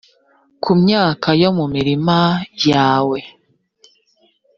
ku myaka yo mu mirima yawe,